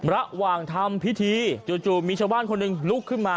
ระหว่างทำพิธีจู่มีชาวบ้านคนหนึ่งลุกขึ้นมา